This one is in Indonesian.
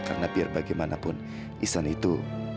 karena biar bagaimanapun isan itu